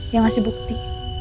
yang ngasih bukti